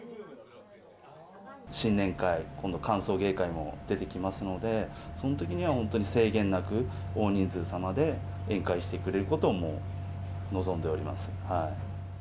新年会、今度歓送迎会も出てきますので、そのときには、本当に制限なく、大人数様で宴会してくれることをもう望んでおります。